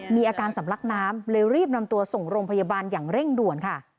มีอาการสำลักน้ำเลยรีบนำตัวส่งโรงพยาบาลอย่างเร่งด่วนค่ะ